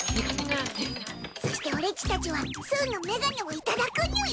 そして俺っちたちはすうのメガネをいただくにゅい。